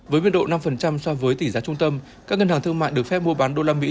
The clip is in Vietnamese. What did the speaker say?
với biên độ năm so với tỷ giá trung tâm các ngân hàng thương mại được phép mua bán đô la mỹ